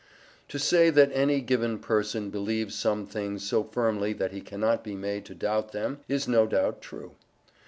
To say that any given person believes some things so firmly that he cannot be made to doubt them is no doubt true.